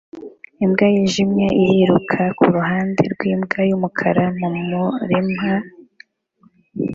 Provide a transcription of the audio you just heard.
Imbwa yijimye iriruka kuruhande rwimbwa yumukara mumurima